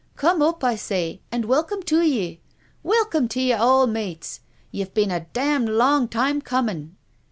Come up, I say, and welcome to ye ! Welcome to ye all, mates. Ye've been a damned long time comin'."